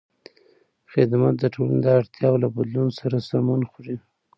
خدمت د ټولنې د اړتیاوو له بدلون سره سمون خوري.